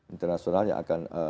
internasional yang akan